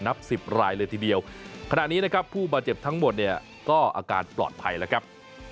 นับสิบรายเลยทีเดียวขณะนี้นะครับผู้บาดเจ็บทั้งหมดเนี่ยก็อาการปลอดภัยแล้วครับ